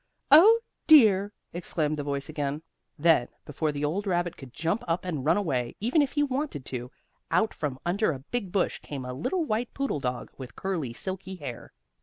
"Oh, dear!" exclaimed the voice again. Then, before the old rabbit could jump up and run away, even if he had wanted to, out from under a big bush came a little white poodle dog, with curly, silky hair.